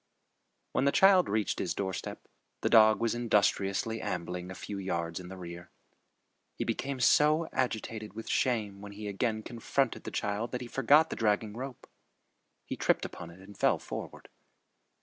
When the child reached his doorstep, the dog was industriously ambling a few yards in the rear. He became so agitated with shame when he again confronted the child that he forgot the dragging rope. He tripped upon it and fell forward.